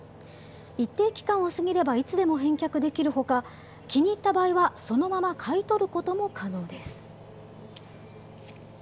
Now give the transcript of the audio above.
一定期間を過ぎればいつでも返却できるほか、気に入った場合は、そのまま買い取ることも可能です。